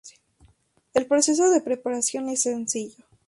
El proceso de preparación es sencillo.